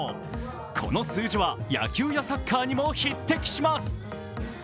この数字は野球やサッカーにも匹敵します。